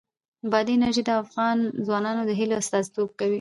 بادي انرژي د افغان ځوانانو د هیلو استازیتوب کوي.